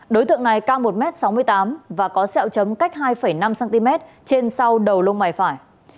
đối tượng này cao một m sáu mươi tám và có sẹo chấm cách hai năm cm trên sau đầu lông mày phải